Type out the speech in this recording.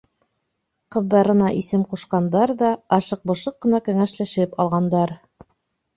Ҡыҙҙарына исем ҡушҡандар ҙа ашыҡ-бошоҡ ҡына кәңәшләшеп алғандар.